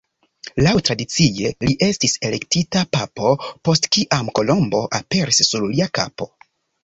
Laŭtradicie, li estis elektita papo, post kiam kolombo aperis sur lia kapo.